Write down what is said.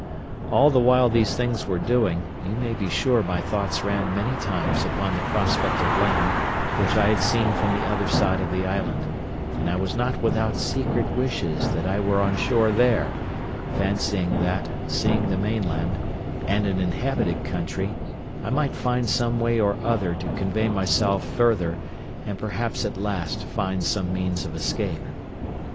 All the while these things were doing, you may be sure my thoughts ran many times upon the prospect of land which I had seen from the other side of the island; and I was not without secret wishes that I were on shore there, fancying that, seeing the mainland, and an inhabited country, I might find some way or other to convey myself further, and perhaps at last find some means of escape.